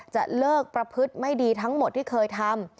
จะเลิกประพฤติไม่ดีทั้งหมดที่เคยทำ